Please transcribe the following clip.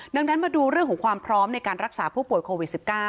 ดังนั้นมาดูเรื่องของความพร้อมในการรักษาผู้ป่วยโควิด๑๙